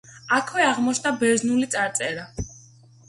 აქვე აღმოჩნდა ბერძნული წარწერა.